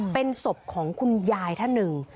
เป็นศพของคุณยายท่านหนึ่ง